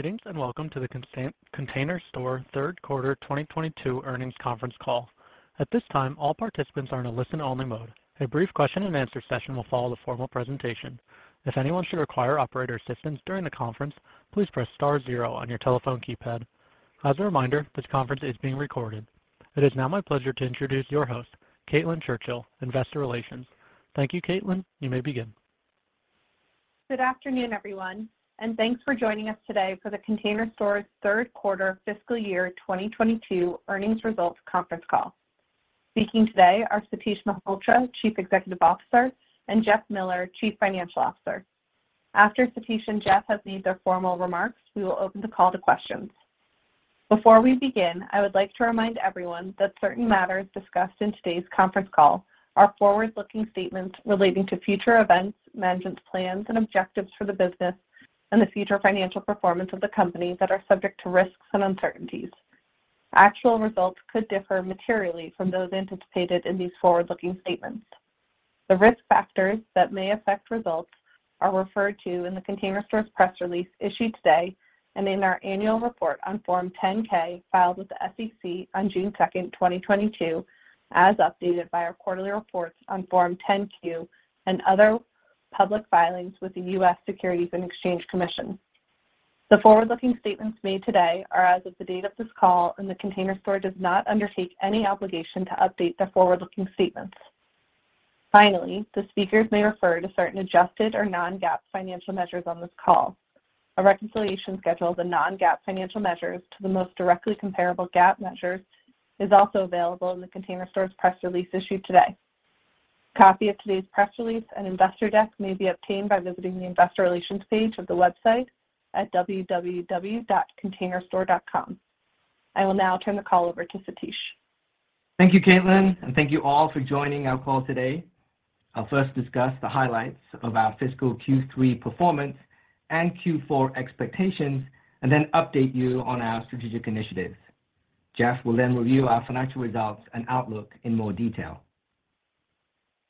Greetings, Welcome to the Container Store Q3 2022 Earnings Conference Call. At this time, all participants are in a listen only mode. A brief question and answer session will follow the formal presentation. If anyone should require operator assistance during the conference, please press star zero on your telephone keypad. As a reminder, this conference is being recorded. It is now my pleasure to introduce your host, Caitlin Churchill, Investor Relations. Thank you, Caitlin. You may begin. Good afternoon, everyone, thanks for joining us today for The Container Store's Q3 fiscal year 2022 earnings results conference call. Speaking today are Satish Malhotra, Chief Executive Officer, and Jeff Miller, Chief Financial Officer. After Satish and Jeff have made their formal remarks, we will open the call to questions. Before we begin, I would like to remind everyone that certain matters discussed in today's conference call are forward-looking statements relating to future events, management's plans and objectives for the business, and the future financial performance of the company that are subject to risks and uncertainties. Actual results could differ materially from those anticipated in these forward-looking statements. The risk factors that may affect results are referred to in The Container Store's press release issued today and in our annual report on Form 10-K filed with the SEC on June 2, 2022, as updated by our quarterly reports on Form 10-Q and other public filings with the US Securities and Exchange Commission. The forward-looking statements made today are as of the date of this call. The Container Store does not undertake any obligation to update the forward-looking statements. Finally, the speakers may refer to certain adjusted or non-GAAP financial measures on this call. A reconciliation schedule of the non-GAAP financial measures to the most directly comparable GAAP measures is also available in The Container Store's press release issued today. A copy of today's press release and investor deck may be obtained by visiting the investor relations page of the website at www.containerstore.com. I will now turn the call over to Satish. Thank you, Caitlin, and thank you all for joining our call today. I'll first discuss the highlights of our fiscal Q3 performance and Q4 expectations and then update you on our strategic initiatives. Jeff will then review our financial results and outlook in more detail.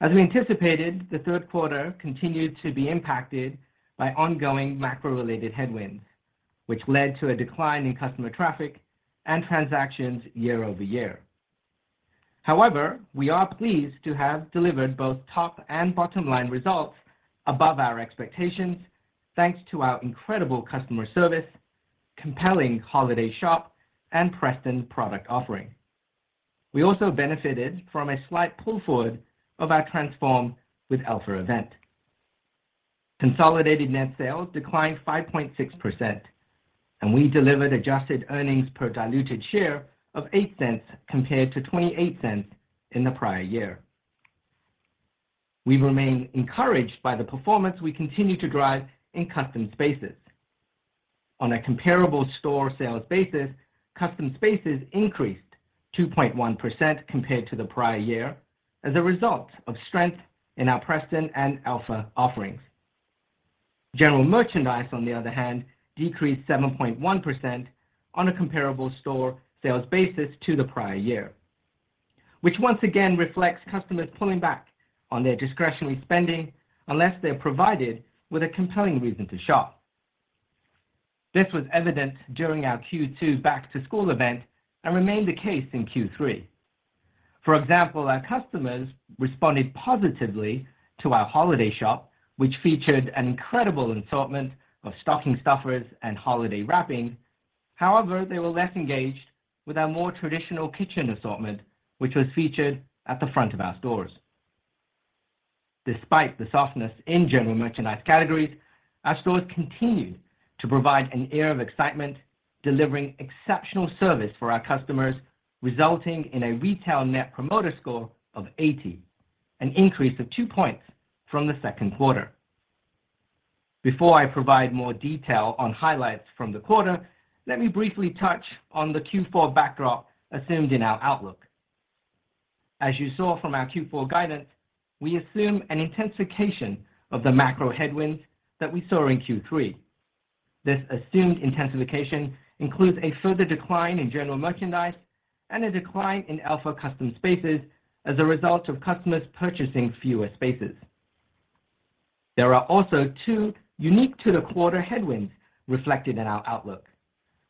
As we anticipated, the Q3 continued to be impacted by ongoing macro related headwinds, which led to a decline in customer traffic and transactions year-over-year. However, we are pleased to have delivered both top and bottom line results above our expectations thanks to our incredible customer service, compelling holiday shop, and Preston product offering. We also benefited from a slight pull forward of our Transform with Elfa event. Consolidated net sales declined 5.6% and we delivered adjusted earnings per diluted share of $0.08 compared to $0.28 in the prior year. We remain encouraged by the performance we continue to drive in Custom Spaces. On a comparable store sales basis, Custom Spaces increased 2.1% compared to the prior year as a result of strength in our Preston and Elfa offerings. General Merchandise, on the other hand, decreased 7.1% on a comparable store sales basis to the prior year, which once again reflects customers pulling back on their discretionary spending unless they're provided with a compelling reason to shop. This was evident during our Q2 back to school event and remained the case in Q3. For example, our customers responded positively to our holiday shop, which featured an incredible assortment of stocking stuffers and holiday wrapping. However, they were less engaged with our more traditional kitchen assortment, which was featured at the front of our stores. Despite the softness in General Merchandise categories, our stores continued to provide an air of excitement, delivering exceptional service for our customers, resulting in a retail Net Promoter Score of 80, an increase of two points from the Q2. Before I provide more detail on highlights from the quarter, let me briefly touch on the Q4 backdrop assumed in our outlook. As you saw from our Q4 guidance, we assume an intensification of the macro headwinds that we saw in Q3. This assumed intensification includes a further decline in General Merchandise and a decline in Elfa Custom Spaces as a result of customers purchasing fewer spaces. There are also two unique to the quarter headwinds reflected in our outlook.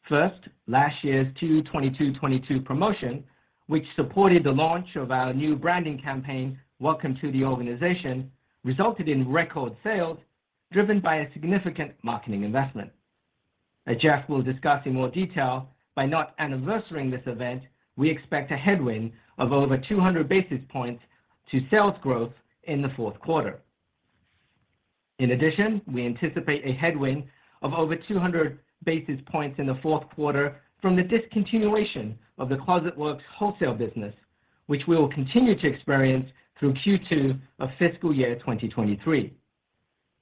First, last year's 2/22/2022 promotion, which supported the launch of our new branding campaign, Welcome to The Organization, resulted in record sales driven by a significant marketing investment. As Jeff will discuss in more detail, by not anniversarying this event, we expect a headwind of over 200 basis points to sales growth in the Q4. In addition, we anticipate a headwind of over 200 basis points in the Q4 from the discontinuation of the Closet Works wholesale business, which we will continue to experience through Q2 of fiscal year 2023.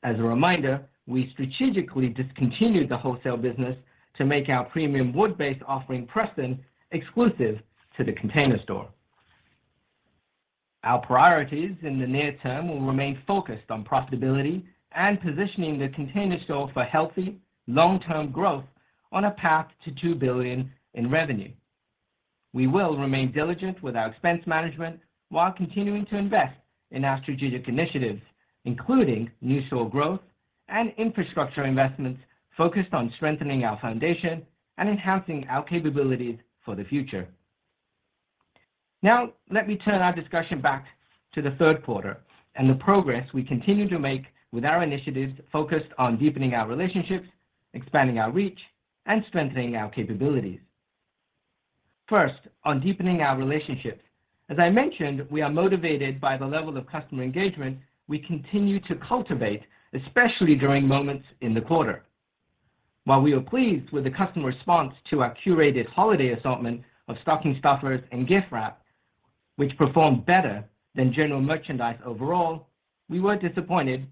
As a reminder, we strategically discontinued the wholesale business to make our premium wood-based offering, Preston, exclusive to The Container Store. Our priorities in the near-term will remain focused on profitability and positioning The Container Store for healthy long-term growth on a path to $2 billion in revenue. We will remain diligent with our expense management while continuing to invest in our strategic initiatives, including new store growth and infrastructure investments focused on strengthening our foundation and enhancing our capabilities for the future. Now, let me turn our discussion back to the Q3 and the progress we continue to make with our initiatives focused on deepening our relationships, expanding our reach, and strengthening our capabilities. First, on deepening our relationships, as I mentioned, we are motivated by the level of customer engagement we continue to cultivate, especially during moments in the quarter. While we were pleased with the customer response to our curated holiday assortment of stocking stuffers and gift wrap, which performed better than general merchandise overall, we were disappointed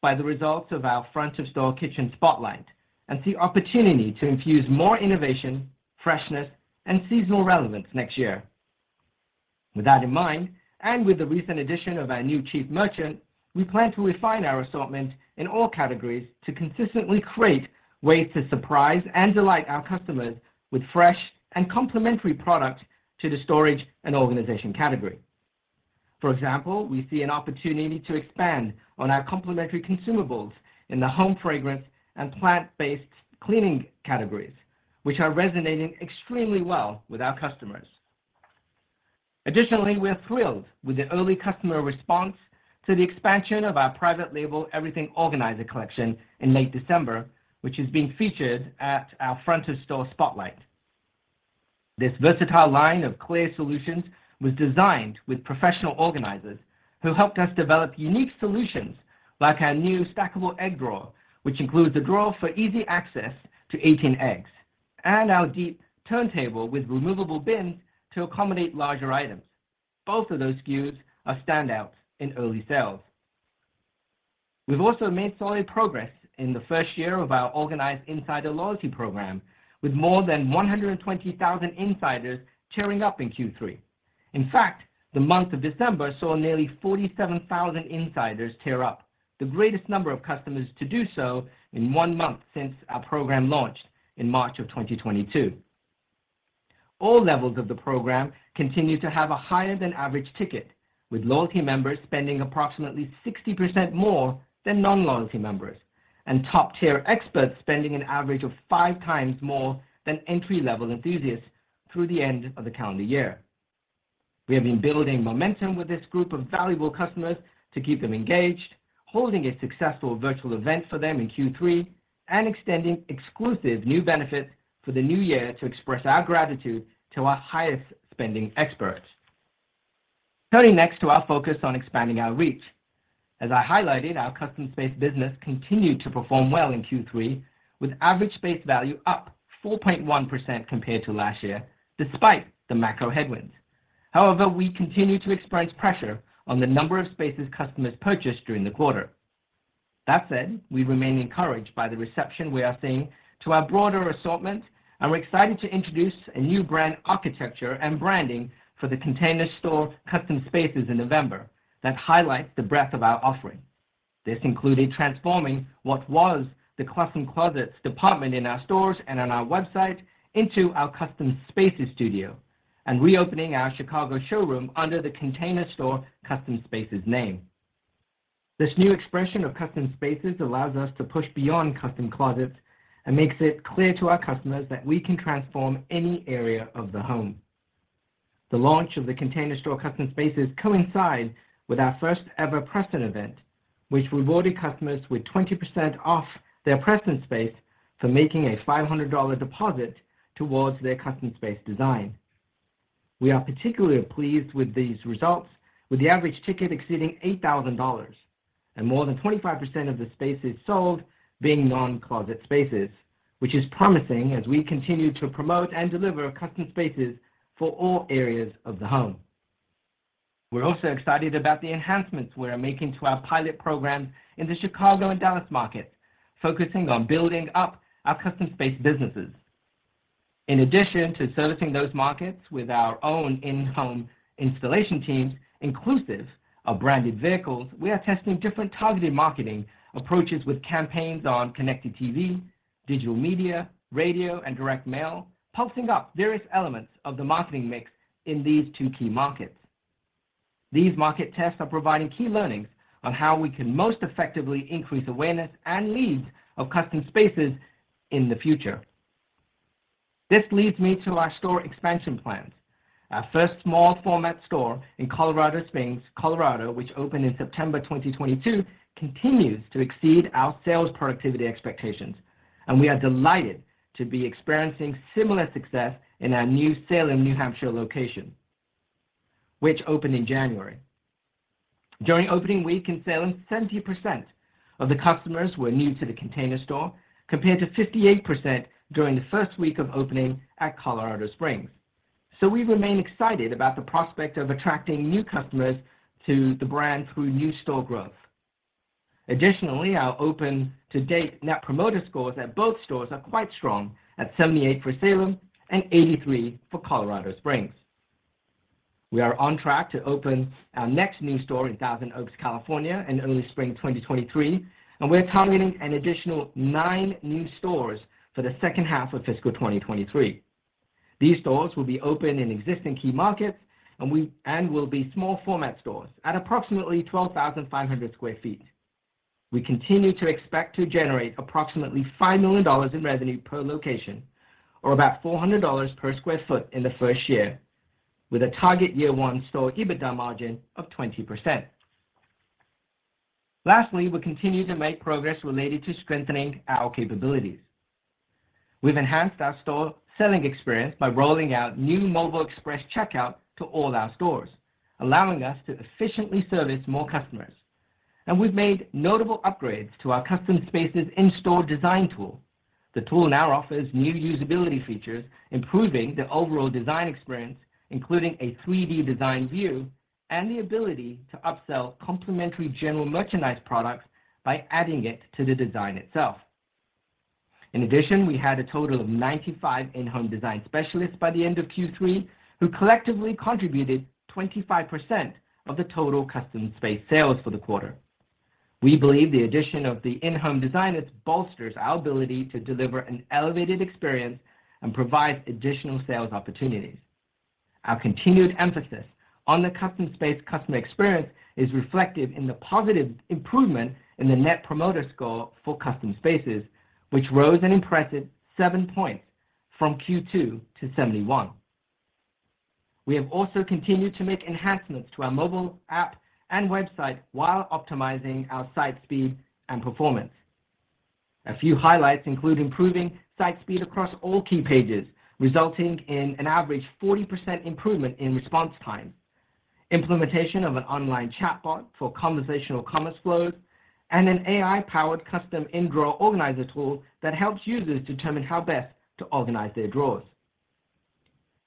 by the results of our front of store kitchen spotlight and see opportunity to infuse more innovation, freshness, and seasonal relevance next year. With that in mind, and with the recent addition of our new chief merchant, we plan to refine our assortment in all categories to consistently create ways to surprise and delight our customers with fresh and complementary products to the storage and organization category. For example, we see an opportunity to expand on our complementary consumables in the home fragrance and plant-based cleaning categories, which are resonating extremely well with our customers. Additionally, we are thrilled with the early customer response to the expansion of our private label Everything Organizer collection in late December, which is being featured at our front of store spotlight. This versatile line of clear solutions was designed with professional organizers who helped us develop unique solutions like our new stackable egg drawer, which includes a drawer for easy access to 18 eggs and our deep turntable with removable bins to accommodate larger items. Both of those SKUs are standouts in early sales. We've also made solid progress in the first year of our Organized Insider loyalty program with more than 120,000 insiders tearing up in Q3. In fact, the month of December saw nearly 47,000 insiders tear up, the greatest number of customers to do so in one month since our program launched in March of 2022. All levels of the program continue to have a higher than average ticket, with loyalty members spending approximately 60% more than non-loyalty members, and top-tier experts spending an average of 5x more than entry-level enthusiasts through the end of the calendar year. We have been building momentum with this group of valuable customers to keep them engaged, holding a successful virtual event for them in Q3, and extending exclusive new benefits for the new year to express our gratitude to our highest spending experts. Turning next to our focus on expanding our reach. As I highlighted, our custom space business continued to perform well in Q3 with average space value up 4.1% compared to last year, despite the macro headwinds. However, we continue to experience pressure on the number of spaces customers purchased during the quarter. That said, we remain encouraged by the reception we are seeing to our broader assortment, and we're excited to introduce a new brand architecture and branding for The Container Store Custom Spaces in November that highlight the breadth of our offering. This included transforming what was the Custom Closets department in our stores and on our website into our Custom Spaces studio and reopening our Chicago showroom under The Container Store Custom Spaces name. This new expression of Custom Spaces allows us to push beyond Custom Closets and makes it clear to our customers that we can transform any area of the home. The launch of The Container Store Custom Spaces coincides with our first ever Preston event, which rewarded customers with 20% off their Preston space for making a $500 deposit towards their custom space design. We are particularly pleased with these results, with the average ticket exceeding $8,000 and more than 25% of the spaces sold being non-closet spaces, which is promising as we continue to promote and deliver Custom Spaces for all areas of the home. We're also excited about the enhancements we're making to our pilot program in the Chicago and Dallas markets, focusing on building up our Custom Spaces businesses. In addition to servicing those markets with our own in-home installation teams, inclusive of branded vehicles, we are testing different targeted marketing approaches with campaigns on connected TV, digital media, radio, and direct mail, pulsing up various elements of the marketing mix in these two key markets. These market tests are providing key learnings on how we can most effectively increase awareness and leads of Custom Spaces in the future. This leads me to our store expansion plans. Our first small format store in Colorado Springs, Colorado, which opened in September 2022, continues to exceed our sales productivity expectations, and we are delighted to be experiencing similar success in our new Salem, New Hampshire location, which opened in January. During opening week in Salem, 70% of the customers were new to The Container Store, compared to 58% during the first week of opening at Colorado Springs. We remain excited about the prospect of attracting new customers to the brand through new store growth. Additionally, our open-to-date Net Promoter Scores at both stores are quite strong at 78 for Salem and 83 for Colorado Springs. We are on track to open our next new store in Thousand Oaks, California in early spring 2023, and we're targeting an additional nine new stores for the second half of fiscal 2023. These stores will be open in existing key markets and will be small format stores at approximately 12,500 sq ft. We continue to expect to generate approximately $5 million in revenue per location or about $400 per sq ft in the first year with a target year one store EBITDA margin of 20%. Lastly, we continue to make progress related to strengthening our capabilities. We've enhanced our store selling experience by rolling out new mobile express checkout to all our stores, allowing us to efficiently service more customers. We've made notable upgrades to our Custom Spaces in-store design tool. The tool now offers new usability features, improving the overall design experience, including a 3D design view and the ability to upsell complimentary General Merchandise products by adding it to the design itself. In addition, we had a total of 95 in-home design specialists by the end of Q3 who collectively contributed 25% of the total Custom Spaces sales for the quarter. We believe the addition of the in-home designers bolsters our ability to deliver an elevated experience and provide additional sales opportunities. Our continued emphasis on the Custom Spaces customer experience is reflected in the positive improvement in the Net Promoter Score for Custom Spaces, which rose an impressive 7 points from Q2 to 71. We have also continued to make enhancements to our mobile app and website while optimizing our site speed and performance. A few highlights include improving site speed across all key pages, resulting in an average 40% improvement in response time, implementation of an online chatbot for conversational commerce flows, and an AI-powered custom in-drawer organizer tool that helps users determine how best to organize their drawers.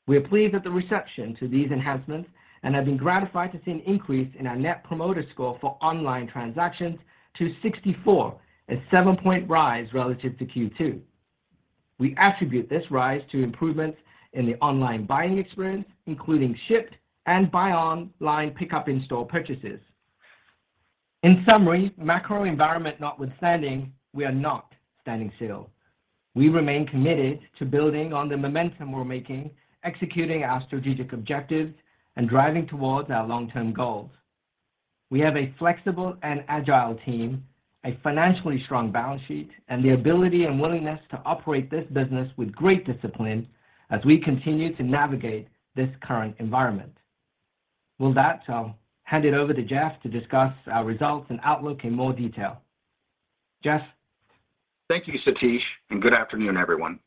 We are pleased at the reception to these enhancements and have been gratified to see an increase in our Net Promoter Score for online transactions to 64, a 7-point rise relative to Q2. We attribute this rise to improvements in the online buying experience, including shipped and buy online pickup in store purchases. In summary, macro environment notwithstanding, we are not standing still. We remain committed to building on the momentum we're making, executing our strategic objectives and driving towards our long-term goals. We have a flexible and agile team, a financially strong balance sheet, and the ability and willingness to operate this business with great discipline as we continue to navigate this current environment. I'll hand it over to Jeff to discuss our results and outlook in more detail. Jeff? Thank you, Satish. Good afternoon, everyone.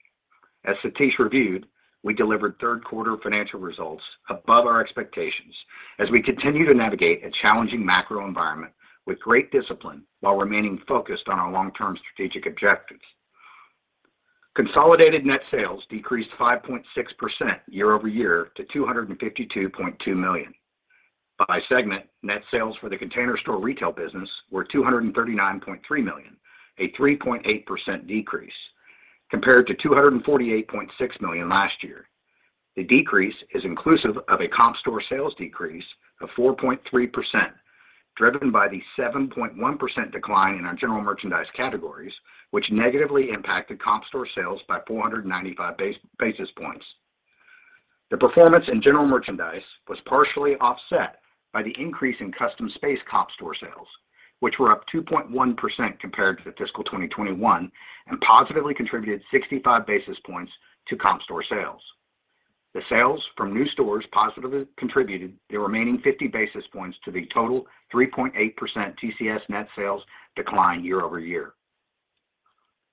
As Satish reviewed, we delivered Q3 financial results above our expectations as we continue to navigate a challenging macro environment with great discipline while remaining focused on our long-term strategic objectives. Consolidated net sales decreased 5.6% year-over-year to $252.2 million. By segment, net sales for The Container Store retail business were $239.3 million, a 3.8% decrease compared to $248.6 million last year. The decrease is inclusive of a comp store sales decrease of 4.3%, driven by the 7.1% decline in our General Merchandise categories, which negatively impacted comp store sales by 495 basis points. The performance in General Merchandise was partially offset by the increase in Custom Spaces comp store sales, which were up 2.1% compared to the fiscal 2021 and positively contributed 65 basis points to comp store sales. The sales from new stores positively contributed the remaining 50 basis points to the total 3.8% TCS net sales decline year-over-year.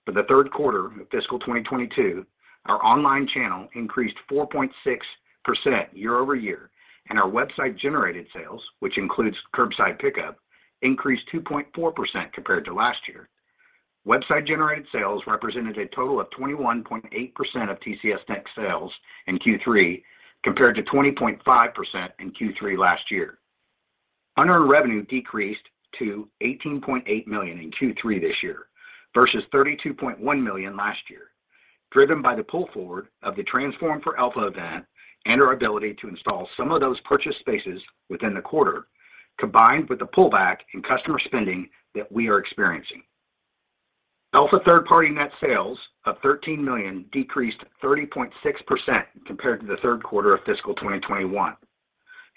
For the Q3 of fiscal 2022, our online channel increased 4.6% year-over-year, and our website-generated sales, which includes curbside pickup, increased 2.4% compared to last year. Website-generated sales represented a total of 21.8% of TCS net sales in Q3, compared to 20.5% in Q3 last year. Unearned revenue decreased to $18.8 million in Q3 this year versus $32.1 million last year, driven by the pull forward of the Transform for Elfa event and our ability to install some of those purchased spaces within the quarter, combined with the pullback in customer spending that we are experiencing. Elfa third-party net sales of $13 million decreased 30.6% compared to the Q3 of fiscal 2021.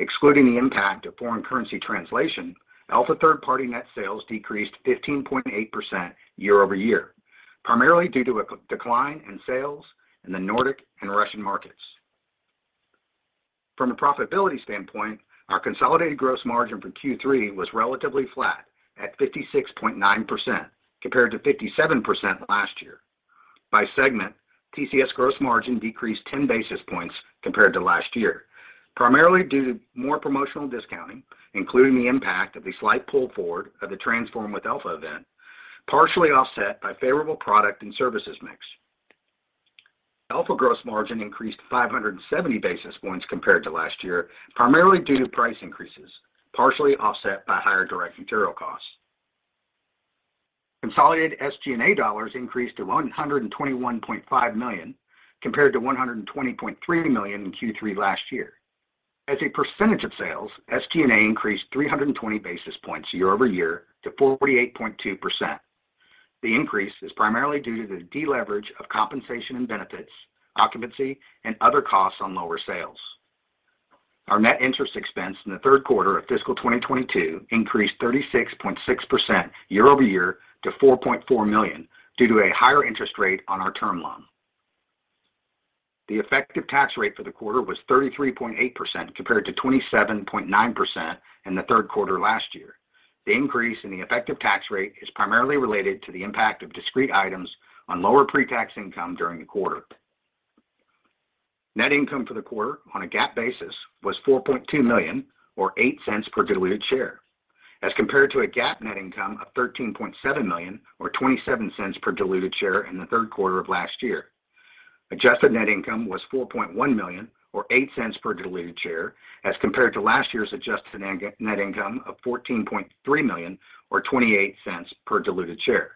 Excluding the impact of foreign currency translation, Elfa third-party net sales decreased 15.8% year-over-year, primarily due to a decline in sales in the Nordic and Russian markets. From a profitability standpoint, our consolidated gross margin for Q3 was relatively flat at 56.9% compared to 57% last year. By segment, TCS gross margin decreased 10 basis points compared to last year, primarily due to more promotional discounting, including the impact of a slight pull forward of the Transform with Elfa event, partially offset by favorable product and services mix. Elfa gross margin increased 570 basis points compared to last year, primarily due to price increases, partially offset by higher direct material costs. Consolidated SG&A dollars increased to $121.5 million, compared to $120.3 million in Q3 last year. As a percentage of sales, SG&A increased 320 basis points year-over-year to 48.2%. The increase is primarily due to the deleverage of compensation and benefits, occupancy, and other costs on lower sales. Our net interest expense in the Q3 of fiscal 2022 increased 36.6% year-over-year to $4.4 million due to a higher interest rate on our term loan. The effective tax rate for the quarter was 33.8% compared to 27.9% in the Q3 last year. The increase in the effective tax rate is primarily related to the impact of discrete items on lower pre-tax income during the quarter. Net income for the quarter on a GAAP basis was $4.2 million or $0.08 per diluted share, as compared to a GAAP net income of $13.7 million or $0.27 per diluted share in the Q3 of last year. Adjusted net income was $4.1 million or $0.08 per diluted share as compared to last year's adjusted net income of $14.3 million or $0.28 per diluted share.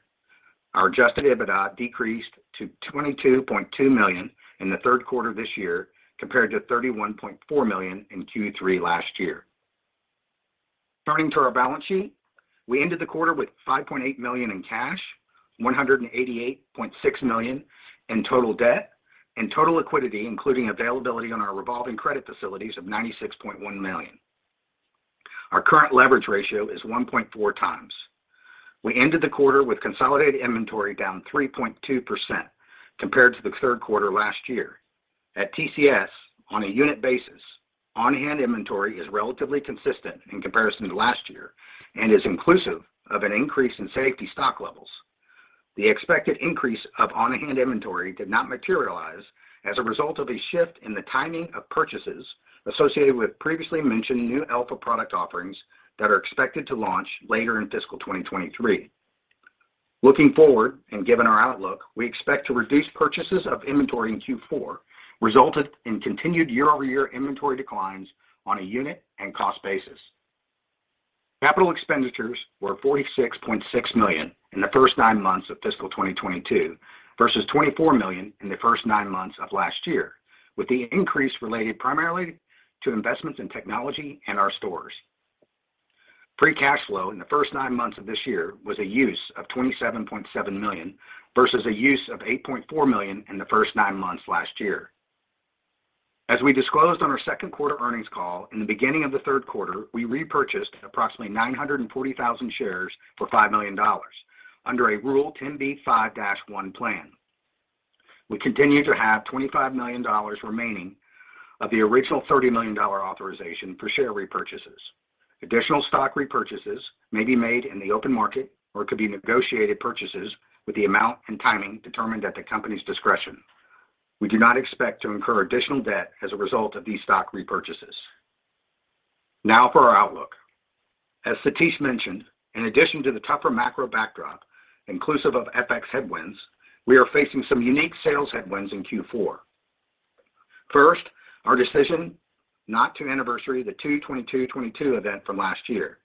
Our adjusted EBITDA decreased to $22.2 million in the Q3 this year compared to $31.4 million in Q3 last year. Turning to our balance sheet, we ended the quarter with $5.8 million in cash, $188.6 million in total debt, and total liquidity, including availability on our revolving credit facilities of $96.1 million. Our current leverage ratio is 1.4x. We ended the quarter with consolidated inventory down 3.2% compared to the Q3 last year. At TCS, on a unit basis, on-hand inventory is relatively consistent in comparison to last year and is inclusive of an increase in safety stock levels. The expected increase of on-hand inventory did not materialize as a result of a shift in the timing of purchases associated with previously mentioned new Elfa product offerings that are expected to launch later in fiscal 2023. Given our outlook, we expect to reduce purchases of inventory in Q4, resulted in continued year-over-year inventory declines on a unit and cost basis. Capital expenditures were $46.6 million in the first nine months of fiscal 2022 versus $24 million in the first nine months of last year, with the increase related primarily to investments in technology and our stores. Free cash flow in the first nine months of this year was a use of $27.7 million versus a use of $8.4 million in the first nine months last year. As we disclosed on our Q2 earnings call, in the beginning of the Q3, we repurchased approximately 940,000 shares for $5 million under a Rule 10b5-1 plan. We continue to have $25 million remaining of the original $30 million authorization for share repurchases. Additional stock repurchases may be made in the open market or could be negotiated purchases with the amount and timing determined at the company's discretion. We do not expect to incur additional debt as a result of these stock repurchases. For our outlook. As Satish mentioned, in addition to the tougher macro backdrop, inclusive of FX headwinds, we are facing some unique sales headwinds in Q4. First, our decision not to anniversary the 2/22/22 event from last year.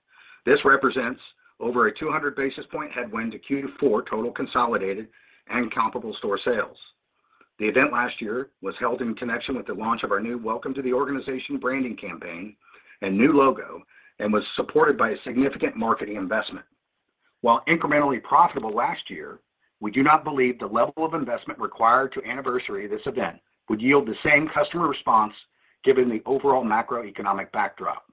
This represents over a 200 basis point headwind to Q4 total consolidated and comparable store sales. The event last year was held in connection with the launch of our new Welcome to The Organization branding campaign and new logo, and was supported by a significant marketing investment. While incrementally profitable last year, we do not believe the level of investment required to anniversary this event would yield the same customer response given the overall macroeconomic backdrop.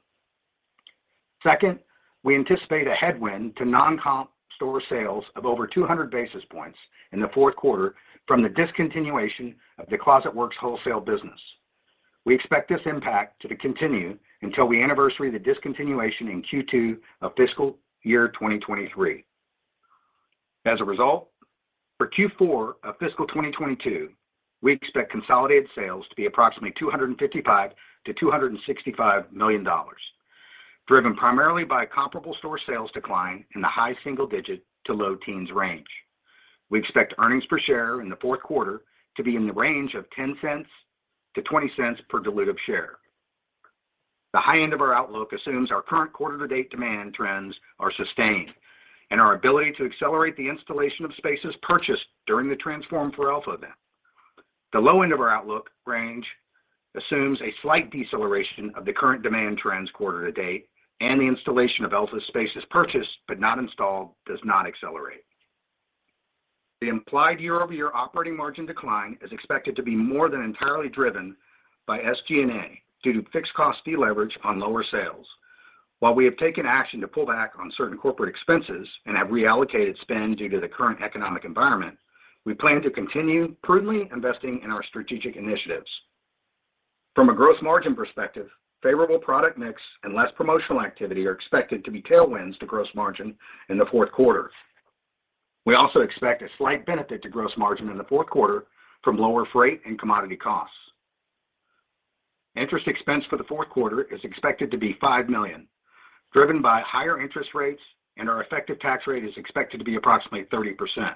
Second, we anticipate a headwind to non-comp store sales of over 200 basis points in the Q4 from the discontinuation of the Closet Works wholesale business. We expect this impact to continue until we anniversary the discontinuation in Q2 of fiscal year 2023. For Q4 of fiscal 2022, we expect consolidated sales to be approximately $255 million-$265 million, driven primarily by a comparable store sales decline in the high single-digit to low teens range. We expect earnings per share in the Q4 to be in the range of $0.10-$0.20 per diluted share. The high end of our outlook assumes our current quarter-to-date demand trends are sustained and our ability to accelerate the installation of spaces purchased during the Transform for Elfa event. The low end of our outlook range assumes a slight deceleration of the current demand trends quarter-to-date and the installation of Elfa spaces purchased but not installed does not accelerate. The implied year-over-year operating margin decline is expected to be more than entirely driven by SG&A due to fixed cost deleverage on lower sales. While we have taken action to pull back on certain corporate expenses and have reallocated spend due to the current economic environment, we plan to continue prudently investing in our strategic initiatives. From a gross margin perspective, favorable product mix and less promotional activity are expected to be tailwinds to gross margin in the Q4. We also expect a slight benefit to gross margin in the Q4 from lower freight and commodity costs. Interest expense for the Q4 is expected to be $5 million, driven by higher interest rates, and our effective tax rate is expected to be approximately 30%.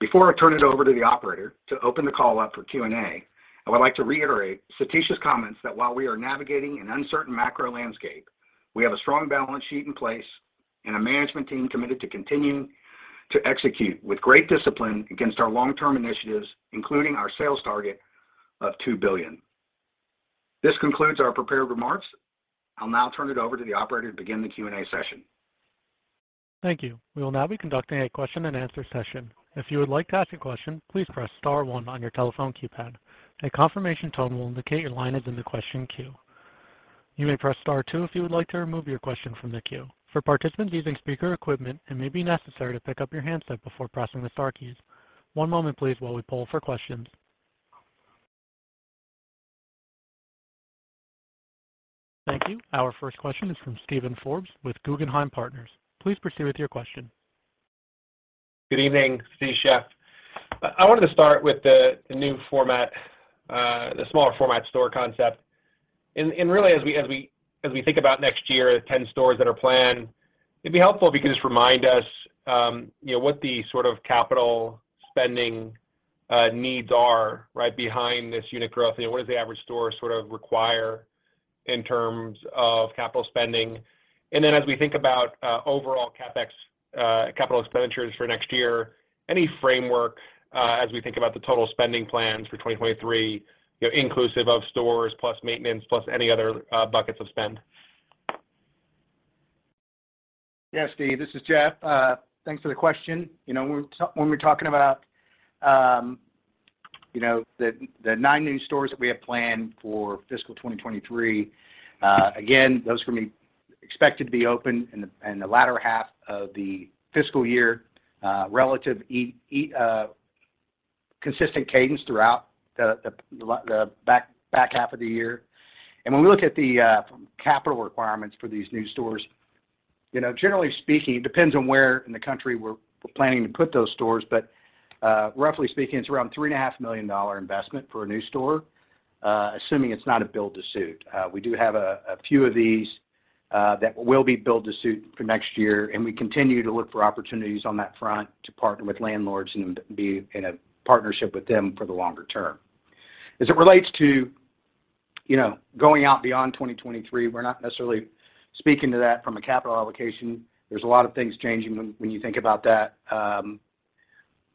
Before I turn it over to the operator to open the call up for Q&A, I would like to reiterate Satish's comments that while we are navigating an uncertain macro landscape, we have a strong balance sheet in place and a management team committed to continuing to execute with great discipline against our long-term initiatives, including our sales target of $2 billion. This concludes our prepared remarks. I'll now turn it over to the operator to begin the Q&A session. Thank you. We will now be conducting a question and answer session. If you would like to ask a question, please press star one on your telephone keypad. A confirmation tone will indicate your line is in the question queue. You may press star two if you would like to remove your question from the queue. For participants using speaker equipment, it may be necessary to pick up your handset before pressing the star keys. One moment please while we poll for questions. Thank you. Our first question is from Steven Forbes with Guggenheim Securities. Please proceed with your question. Good evening, Satish, Jeff. I wanted to start with the new format, the smaller format store concept. Really as we think about next year, the 10 stores that are planned, it'd be helpful if you could just remind us, you know, what the sort of capital spending needs are right behind this unit growth. You know, what does the average store sort of require in terms of capital spending? Then as we think about overall CapEx, capital expenditures for next year, any framework as we think about the total spending plans for 2023, you know, inclusive of stores plus maintenance, plus any other buckets of spend? Yeah, Steve, this is Jeff. Thanks for the question. You know, when we're talking about, you know, the nine new stores that we have planned for fiscal 2023, again, those are going to be expected to be open in the latter half of the fiscal year, relative consistent cadence throughout the back half of the year. When we look at the capital requirements for these new stores, you know, generally speaking, it depends on where in the country we're planning to put those stores. Roughly speaking, it's around three and a half million dollar investment for a new store, assuming it's not a build to suit. We do have a few of these that will be build to suit for next year, and we continue to look for opportunities on that front to partner with landlords and be in a partnership with them for the longer term. As it relates to, you know, going out beyond 2023, we're not necessarily speaking to that from a capital allocation. There's a lot of things changing when you think about that.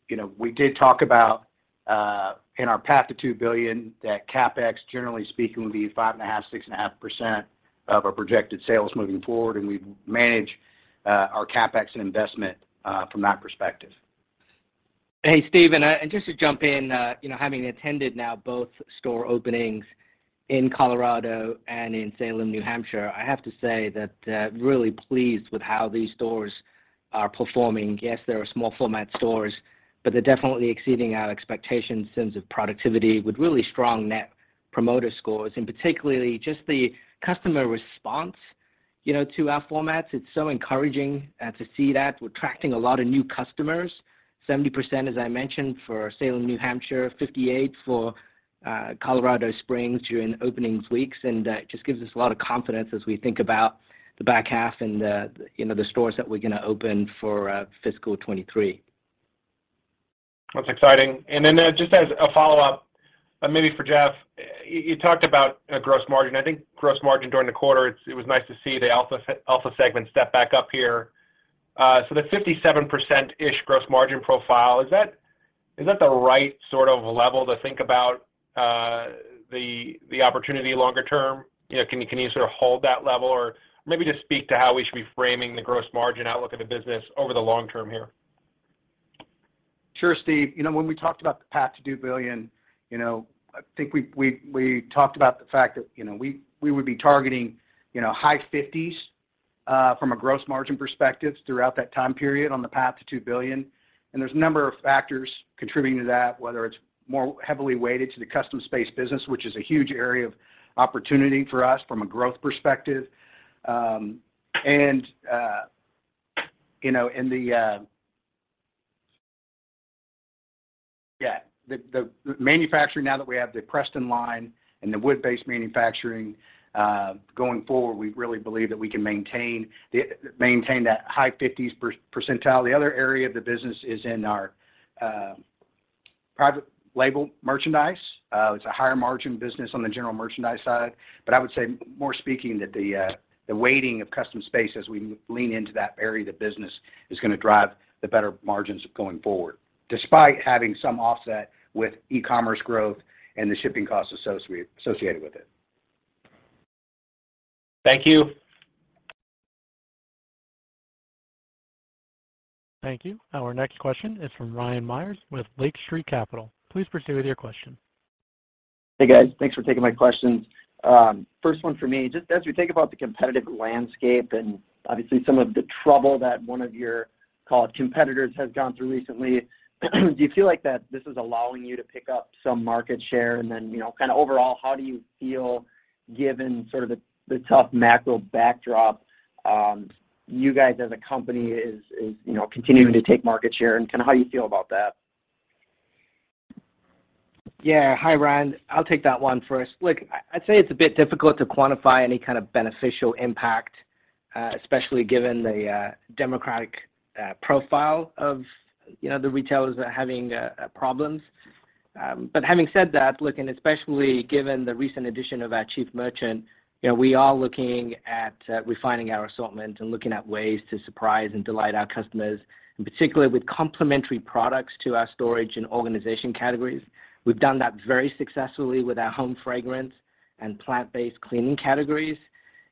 You know, we did talk about in our path to $2 billion that CapEx, generally speaking, would be 5.5%-6.5% of our projected sales moving forward, and we manage our CapEx and investment from that perspective. Steven, just to jump in, you know, having attended now both store openings in Colorado and in Salem, New Hampshire, I have to say that really pleased with how these stores are performing. Yes, they are small format stores, but they're definitely exceeding our expectations in sense of productivity with really strong Net Promoter Scores, and particularly just the customer response, you know, to our formats. It's so encouraging to see that. We're attracting a lot of new customers. 70%, as I mentioned, for Salem, New Hampshire, 58 for Colorado Springs during openings weeks, and that just gives us a lot of confidence as we think about the back half and the, you know, the stores that we're gonna open for fiscal 2023. That's exciting. Just as a follow-up, maybe for Jeff, you talked about gross margin. I think gross margin during the quarter, it was nice to see the Elfa segment step back up here. The 57%-ish gross margin profile, is that the right sort of level to think about the opportunity longer term? You know, can you sort of hold that level? Maybe just speak to how we should be framing the gross margin outlook of the business over the long term here. Sure, Steve. You know, when we talked about the path to two billion, you know, I think we talked about the fact that, you know, we would be targeting, you know, high 50s% from a gross margin perspective throughout that time period on the path to $2 billion. There's a number of factors contributing to that, whether it's more heavily weighted to the Custom Spaces business, which is a huge area of opportunity for us from a growth perspective. You know, the manufacturing now that we have the Preston line and the wood-based manufacturing going forward, we really believe that we can maintain that high 50s percentile. The other area of the business is in our private label merchandise. It's a higher margin business on the General Merchandise side. I would say more speaking that the weighting of Custom Spaces as we lean into that area of the business is gonna drive the better margins going forward, despite having some offset with e-commerce growth and the shipping costs associated with it. Thank you. Thank you. Our next question is from Ryan Meyers with Lake Street Capital. Please proceed with your question. Hey, guys. Thanks for taking my questions. First one for me, just as we think about the competitive landscape and obviously some of the trouble that one of your call it competitors has gone through recently, do you feel like that this is allowing you to pick up some market share? You know, kind of overall, how do you feel given sort of the tough macro backdrop, you guys as a company is, you know, continuing to take market share and kind of how you feel about that? Yeah. Hi, Ron. I'll take that one first. Look, I'd say it's a bit difficult to quantify any kind of beneficial impact, especially given the demographic profile of, you know, the retailers that are having problems. Having said that, look, and especially given the recent addition of our chief merchant, you know, we are looking at refining our assortment and looking at ways to surprise and delight our customers and particularly with complementary products to our storage and organization categories. We've done that very successfully with our home fragrance and plant-based cleaning categories,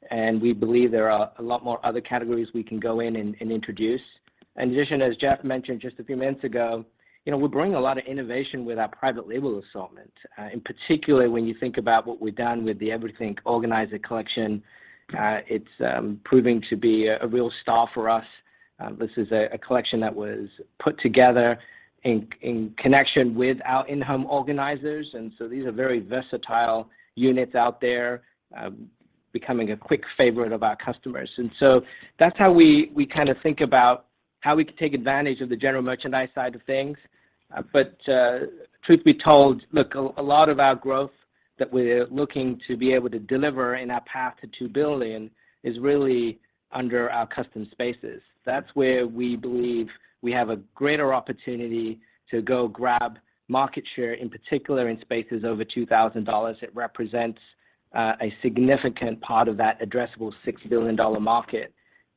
and we believe there are a lot more other categories we can go in and introduce. In addition, as Jeff mentioned just a few minutes ago, you know, we bring a lot of innovation with our private label assortment. In particular, when you think about what we've done with the Everything Organizer collection, it's proving to be a real star for us. This is a collection that was put together in connection with our in-home organizers, and so these are very versatile units out there, becoming a quick favorite of our customers. That's how we kind of think about how we can take advantage of the General Merchandise side of things. Truth be told, look, a lot of our growth that we're looking to be able to deliver in our path to $2 billion is really under our Custom Spaces. That's where we believe we have a greater opportunity to go grab market share, in particular in spaces over $2,000. It represents a significant part of that addressable $6 billion market,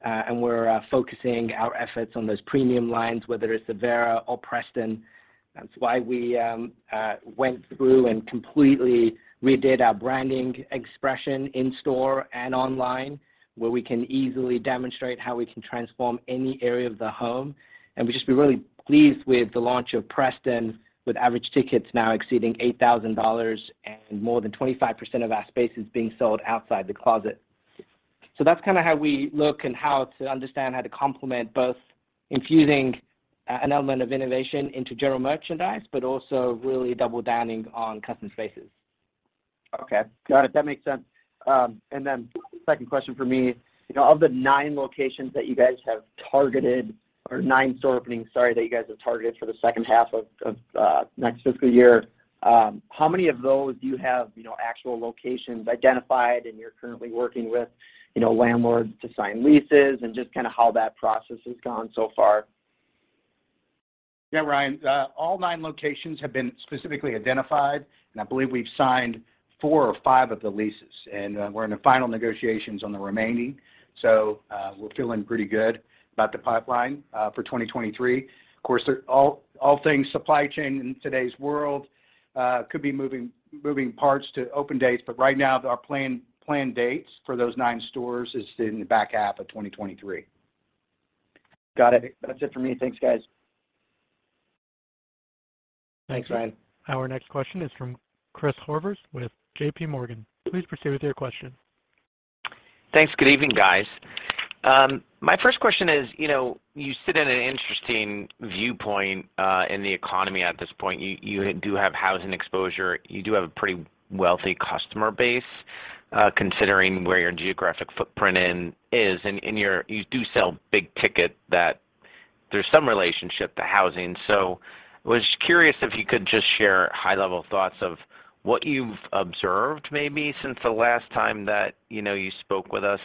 and we're focusing our efforts on those premium lines, whether it's Avera or Preston. That's why we went through and completely redid our branding expression in store and online, where we can easily demonstrate how we can transform any area of the home. We've just been really pleased with the launch of Preston, with average tickets now exceeding $8,000 and more than 25% of our spaces being sold outside the closet. That's kind of how we look and how to understand how to complement both infusing an element of innovation into General Merchandise, but also really double downing on Custom Spaces. Okay. Got it. That makes sense. Second question for me, you know, of the nine locations that you guys have targeted or 9 store openings, sorry, that you guys have targeted for the second half of next fiscal year, how many of those do you have, you know, actual locations identified and you're currently working with, you know, landlords to sign leases and just kind of how that process has gone so far? Yeah, Ryan, all nine locations have been specifically identified, and I believe we've signed four or five of the leases. We're in the final negotiations on the remaining. We're feeling pretty good about the pipeline for 2023. Of course, all things supply chain in today's world could be moving parts to open dates. Right now, our planned dates for those nine stores is in the back half of 2023. Got it. That's it for me. Thanks, guys. Thanks, Ryan. Our next question is from Chris Horvers with JPMorgan. Please proceed with your question. Thanks. Good evening, guys. My first question is, you know, you sit in an interesting viewpoint in the economy at this point. You do have housing exposure. You do have a pretty wealthy customer base, considering where your geographic footprint in is. You do sell big ticket that there's some relationship to housing. I was curious if you could just share high-level thoughts of what you've observed maybe since the last time that, you know, you spoke with us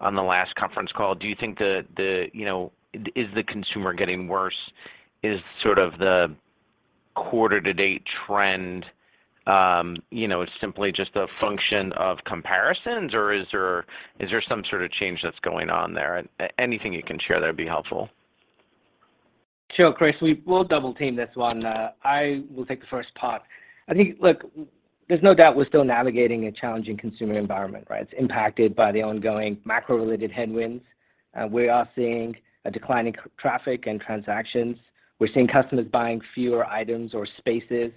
on the last conference call. Do you think, you know, is the consumer getting worse? Is sort of the quarter to date trend, you know, simply just a function of comparisons, or is there some sort of change that's going on there? Anything you can share there would be helpful. Sure, Chris. We'll double-team this one. I will take the first part. I think. Look, there's no doubt we're still navigating a challenging consumer environment, right? It's impacted by the ongoing macro-related headwinds. We are seeing a decline in traffic and transactions. We're seeing customers buying fewer items or spaces.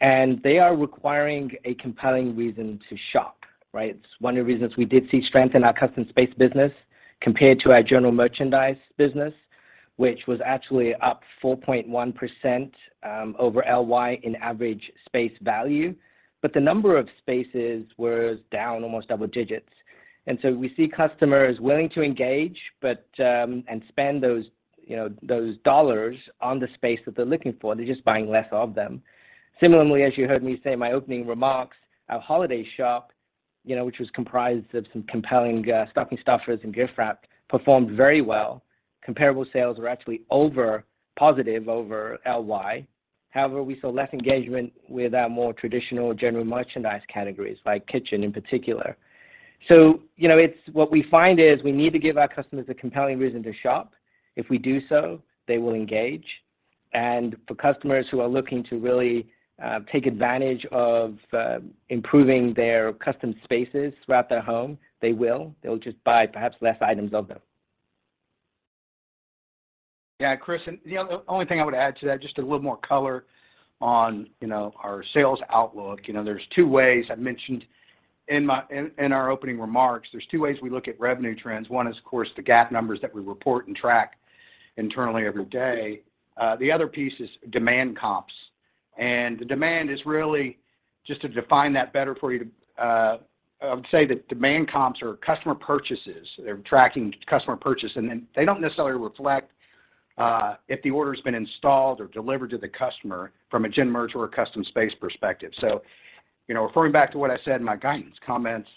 They are requiring a compelling reason to shop, right? It's one of the reasons we did see strength in our custom space business compared to our General Merchandise business, which was actually up 4.1% over LY in average space value. The number of spaces was down almost double digits. We see customers willing to engage, but and spend those, you know, those dollars on the space that they're looking for. They're just buying less of them. Similarly, as you heard me say in my opening remarks, our holiday shop, you know, which was comprised of some compelling stocking stuffers and gift wrap, performed very well. Comparable sales were actually over positive over LY. However, we saw less engagement with our more traditional General Merchandise categories, like kitchen in particular. You know, what we find is we need to give our customers a compelling reason to shop. If we do so, they will engage. For customers who are looking to really take advantage of improving their Custom Spaces throughout their home, they will. They'll just buy perhaps less items of them. Chris, the only thing I would add to that, just a little more color on, you know, our sales outlook. You know, there's 2 ways I've mentioned in our opening remarks, there's two ways we look at revenue trends. One is, of course, the GAAP numbers that we report and track internally every day. The other piece is demand comps. The demand is really, just to define that better for you, I would say that demand comps are customer purchases. They're tracking customer purchases, they don't necessarily reflect if the order's been installed or delivered to the customer from a General Merchandise or custom space perspective. You know, referring back to what I said in my guidance comments,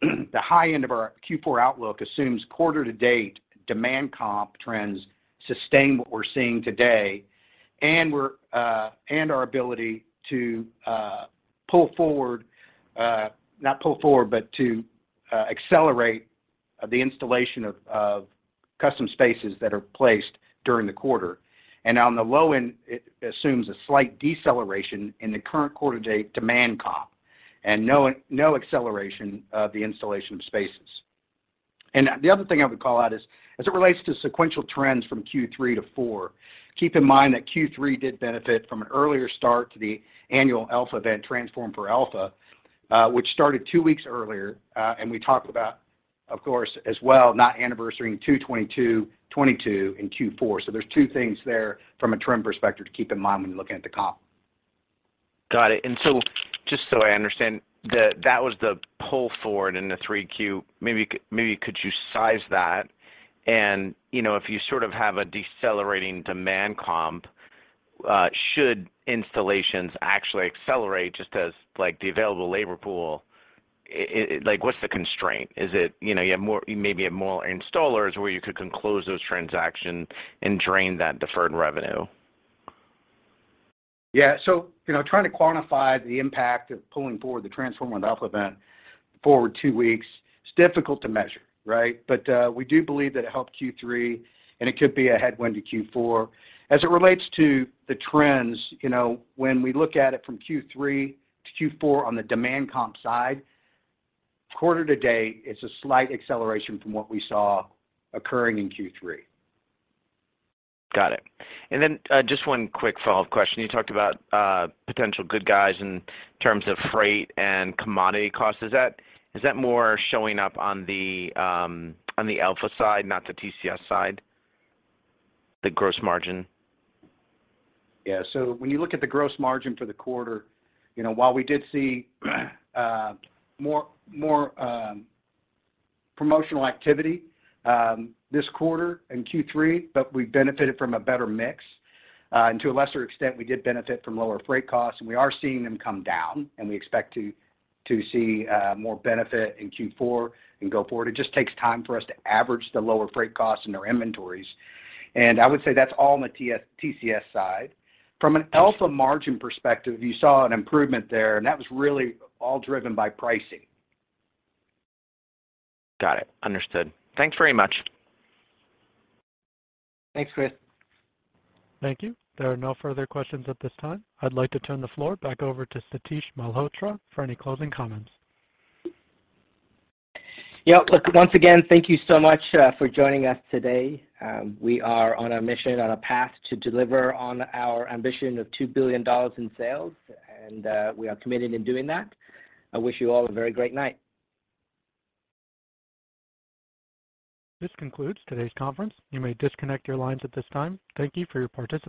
the high end of our Q4 outlook assumes quarter to date demand comp trends sustain what we're seeing today, and we're and our ability to pull forward, not pull forward, but to accelerate the installation of Custom Spaces that are placed during the quarter. On the low end, it assumes a slight deceleration in the current quarter date demand comp and no acceleration of the installation of spaces. The other thing I would call out is, as it relates to sequential trends from Q3 to Q4, keep in mind that Q3 did benefit from an earlier start to the annual Elfa event, Transform for Elfa, which started two weeks earlier. We talked about, of course as well, not anniversary in 2/22/2022 in Q4. There's 2 things there from a trend perspective to keep in mind when you're looking at the comp. Got it. Just so I understand, that was the pull forward in the Q3. Maybe could you size that and, you know, if you sort of have a decelerating demand comp, should installations actually accelerate just as like the available labor pool? Like, what's the constraint? Is it, you know, you have more, you maybe have more installers where you could then close those transactions and drain that deferred revenue? you know, trying to quantify the impact of pulling forward the Transform and Elfa event forward two weeks, it's difficult to measure, right? We do believe that it helped Q3, and it could be a headwind to Q4. As it relates to the trends, you know, when we look at it from Q3 to Q4 on the demand comp side, quarter to date, it's a slight acceleration from what we saw occurring in Q3. Got it. Just one quick follow-up question. You talked about potential good guys in terms of freight and commodity costs. Is that more showing up on the Elfa side, not the TS-TCS side? The gross margin? When you look at the gross margin for the quarter, you know, while we did see more promotional activity this quarter in Q3, but we benefited from a better mix. To a lesser extent, we did benefit from lower freight costs, and we are seeing them come down, and we expect to see more benefit in Q4 and go forward. It just takes time for us to average the lower freight costs in their inventories. I would say that's all on the TS-TCS side. From an Elfa margin perspective, you saw an improvement there, and that was really all driven by pricing. Got it. Understood. Thanks very much. Thanks, Chris. Thank you. There are no further questions at this time. I'd like to turn the floor back over to Satish Malhotra for any closing comments. Yeah. Look, once again, thank you so much for joining us today. We are on a mission, on a path to deliver on our ambition of $2 billion in sales, and we are committed in doing that. I wish you all a very great night. This concludes today's conference. You may disconnect your lines at this time. Thank you for your participation.